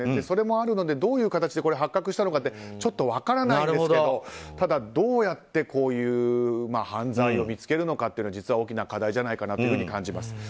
それもあるのでどういう形で発覚したのかはちょっと分からないんですけどただ、どうやってこういう犯罪を見つけるのかというのは実は大きな課題じゃないかなと感じます。